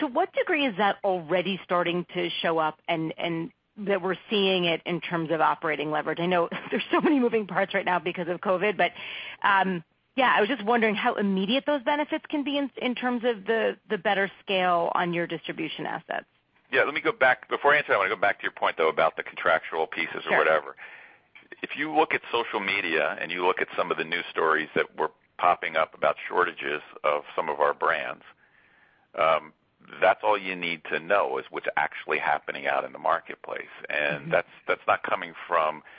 To what degree is that already starting to show up, and that we're seeing it in terms of operating leverage? I know there's so many moving parts right now because of COVID, but I was just wondering how immediate those benefits can be in terms of the better scale on your distribution assets. Yeah. Before I answer, I want to go back to your point, though, about the contractual pieces or whatever. Sure. If you look at social media and you look at some of the news stories that were popping up about shortages of some of our brands, that's all you need to know is what's actually happening out in the marketplace.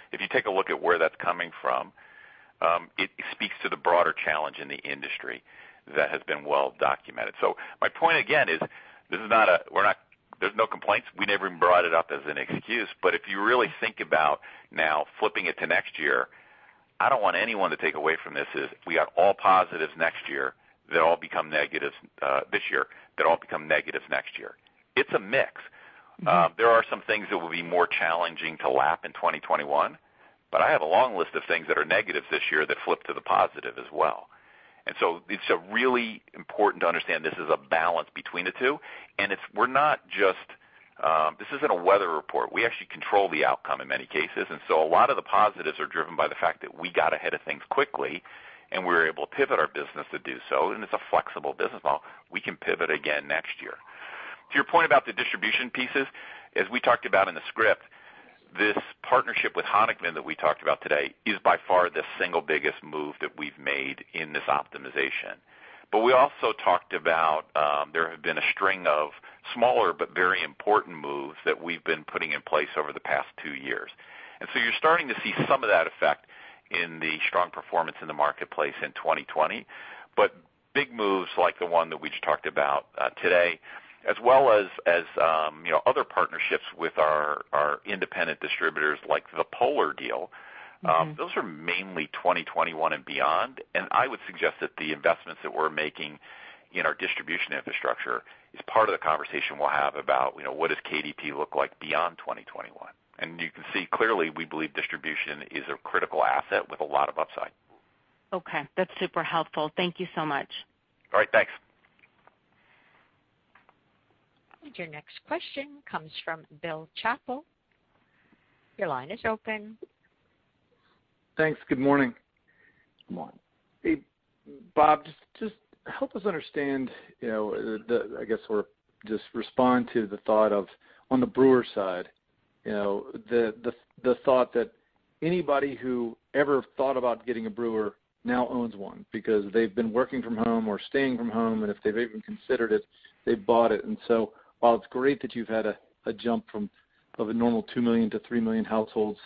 If you take a look at where that's coming from, it speaks to the broader challenge in the industry that has been well-documented. My point, again, is there's no complaints. We never even brought it up as an excuse. If you really think about now flipping it to next year, I don't want anyone to take away from this is, we got all positives next year that all become negatives this year, that all become negatives next year. It's a mix. There are some things that will be more challenging to lap in 2021, but I have a long list of things that are negatives this year that flip to the positive as well. It's really important to understand this is a balance between the two, and this isn't a weather report. We actually control the outcome in many cases. A lot of the positives are driven by the fact that we got ahead of things quickly, and we were able to pivot our business to do so, and it's a flexible business model. We can pivot again next year. To your point about the distribution pieces, as we talked about in the script, this partnership with Honickman that we talked about today is by far the single biggest move that we've made in this optimization. We also talked about, there have been a string of smaller but very important moves that we've been putting in place over the past two years. You're starting to see some of that effect in the strong performance in the marketplace in 2020. Big moves like the one that we just talked about today, as well as other partnerships with our independent distributors like the Polar deal, those are mainly 2021 and beyond. I would suggest that the investments that we're making in our distribution infrastructure is part of the conversation we'll have about, what does KDP look like beyond 2021? You can see clearly, we believe distribution is a critical asset with a lot of upside. Okay. That's super helpful. Thank you so much. All right, thanks. Your next question comes from Bill Chappell. Your line is open. Thanks. Good morning. Good morning. Hey, Bob, just help us understand, I guess, or just respond to the thought of, on the brewer side, the thought that anybody who ever thought about getting a brewer now owns one because they've been working from home or staying from home, and if they've even considered it, they've bought it. While it's great that you've had a jump from of a normal 2 million-3 million households,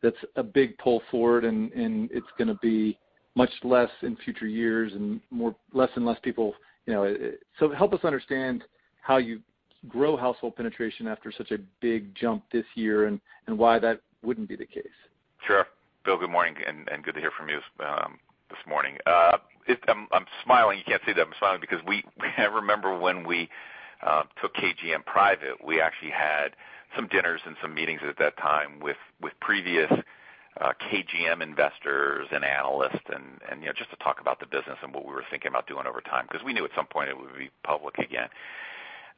that's a big pull forward, and it's going to be much less in future years and less and less people. Help us understand how you grow household penetration after such a big jump this year and why that wouldn't be the case. Sure. Bill, good morning, and good to hear from you this morning. I'm smiling. You can't see that I'm smiling because I remember when we took KGM private. We actually had some dinners and some meetings at that time with previous KGM investors and analysts and just to talk about the business and what we were thinking about doing over time, because we knew at some point it would be public again.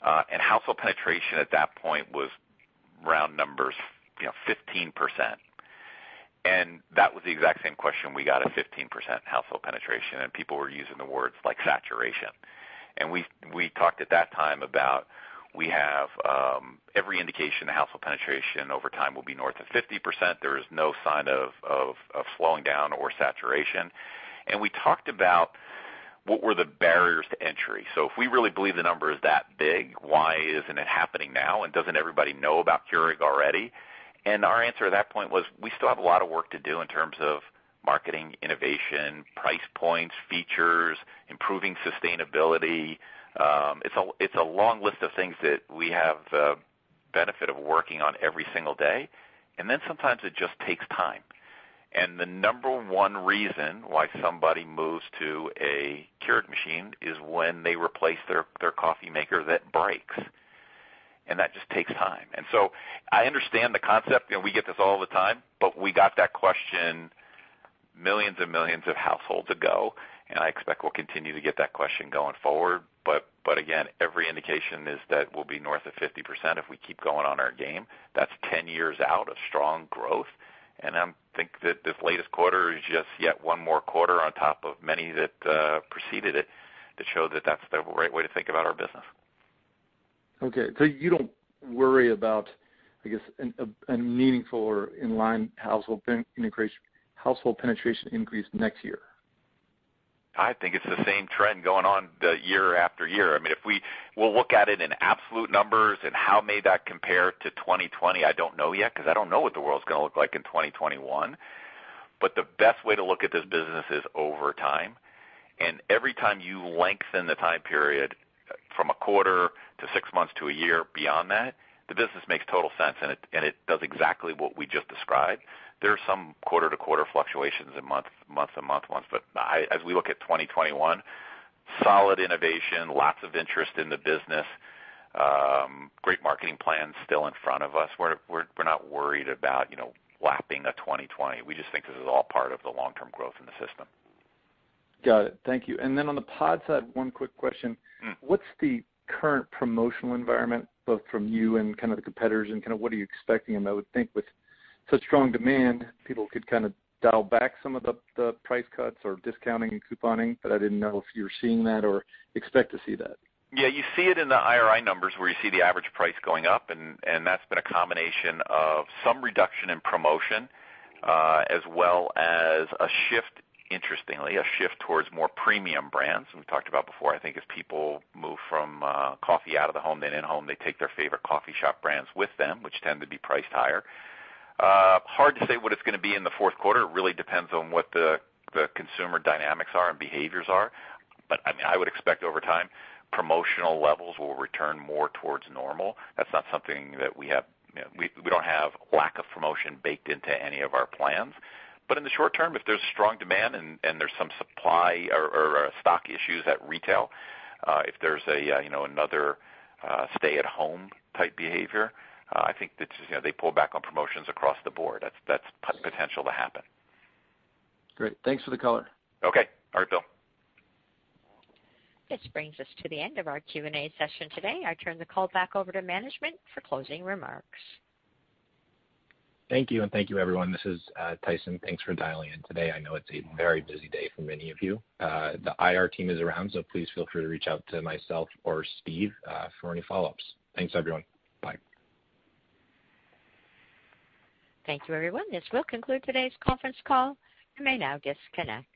Household penetration at that point was, round numbers, 15%. That was the exact same question we got at 15% household penetration, and people were using the words like saturation. We talked at that time about, we have every indication of household penetration over time will be north of 50%. There is no sign of slowing down or saturation. We talked about what were the barriers to entry. If we really believe the number is that big, why isn't it happening now? Doesn't everybody know about Keurig already? Our answer at that point was, we still have a lot of work to do in terms of marketing, innovation, price points, features, improving sustainability. It's a long list of things that we have the benefit of working on every single day, and then sometimes it just takes time. The number one reason why somebody moves to a Keurig machine is when they replace their coffee maker that breaks, and that just takes time. I understand the concept, and we get this all the time, but we got that question millions and millions of households ago, and I expect we'll continue to get that question going forward. Again, every indication is that we'll be north of 50% if we keep going on our game. That's 10 years out of strong growth, and I think that this latest quarter is just yet one more quarter on top of many that preceded it to show that that's the right way to think about our business. Okay, you don't worry about, I guess, a meaningful or in-line household penetration increase next year? I think it's the same trend going on year-after-year. I mean, if we will look at it in absolute numbers and how may that compare to 2020, I don't know yet because I don't know what the world's going to look like in 2021. The best way to look at this business is over time. Every time you lengthen the time period from a quarter to six months to a year beyond that, the business makes total sense, and it does exactly what we just described. There are some quarter-to-quarter fluctuations and month-to-month ones, but as we look at 2021, solid innovation, lots of interest in the business, great marketing plans still in front of us. We're not worried about lapping a 2020. We just think this is all part of the long-term growth in the system. Got it. Thank you. On the pod side, one quick question. What's the current promotional environment, both from you and the competitors, and what are you expecting? I would think with such strong demand, people could dial back some of the price cuts or discounting and couponing. I didn't know if you were seeing that or expect to see that. You see it in the IRI numbers where you see the average price going up. That's been a combination of some reduction in promotion, as well as a shift, interestingly, a shift towards more premium brands. We talked about before, I think as people move from coffee out of the home than in-home, they take their favorite coffee shop brands with them, which tend to be priced higher. Hard to say what it's going to be in the fourth quarter. It really depends on what the consumer dynamics are and behaviors are. I mean, I would expect over time, promotional levels will return more towards normal. That's not something that we don't have lack of promotion baked into any of our plans. In the short-term, if there's strong demand and there's some supply or stock issues at retail, if there's another stay-at-home type behavior, I think that they pull back on promotions across the board. That's potential to happen. Great. Thanks for the color. Okay. All right, Bill. This brings us to the end of our Q&A session today. I turn the call back over to management for closing remarks. Thank you, and thank you, everyone. This is Tyson. Thanks for dialing in today. I know it's a very busy day for many of you. The IR team is around, so please feel free to reach out to myself or Steve for any follow-ups. Thanks, everyone. Bye. Thank you, everyone. This will conclude today's conference call. You may now disconnect.